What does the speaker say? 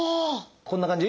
こんな感じ？